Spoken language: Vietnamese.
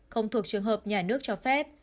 không thuộc trường hợp nhà nước cho phép